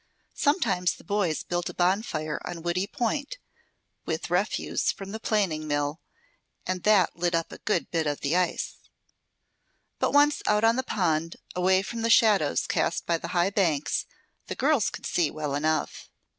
Sometimes the boys built a bonfire on Woody Point, with refuse from the planing mill, and that lit up a good bit of the ice. But once out on the pond, away from the shadows cast by the high banks, the girls could see well enough.